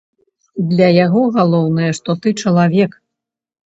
Для яго галоўнае, што ты чалавек.